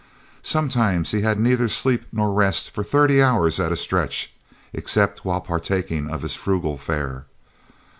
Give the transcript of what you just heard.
Sometimes he had neither sleep nor rest for thirty hours at a stretch except while partaking of his frugal fare.